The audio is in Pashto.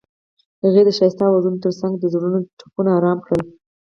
هغې د ښایسته اوازونو ترڅنګ د زړونو ټپونه آرام کړل.